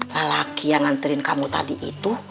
lelaki yang nganterin kamu tadi itu